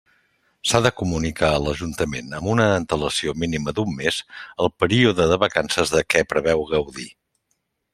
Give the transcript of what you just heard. S'ha de comunicar a l'Ajuntament amb una antelació mínima d'un mes el període de vacances de què preveu gaudir.